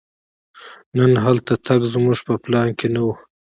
نن هلته تګ زموږ په پلان کې نه و.